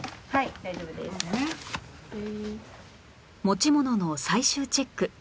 持ち物の最終チェック